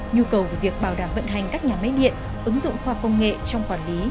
nhu cầu về việc bảo đảm vận hành các nhà máy điện ứng dụng khoa công nghệ trong quản lý